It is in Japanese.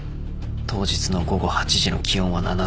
当日の午後８時の気温は７℃。